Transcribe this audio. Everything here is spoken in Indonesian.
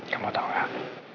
kamu tau gak